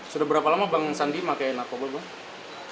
sudah berapa lama bang sandi memakai narkotika